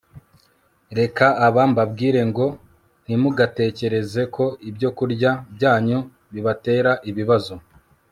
reka aba mbabwire ngo ntimugatekereze ko ibyokurya byanyu bibatera ibibazo